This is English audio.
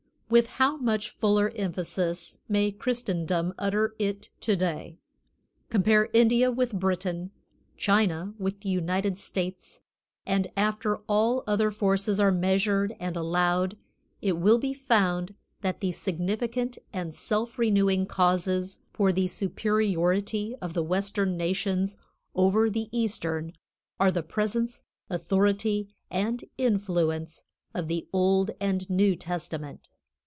With how much fuller emphasis may Christendom utter it to day. Compare India with Britain, China with the United States, and after all other forces are measured and allowed, it will be found that the significant and self renewing causes for the superiority of the western nations over the eastern are the presence, authority and influence of the Old and New Testament.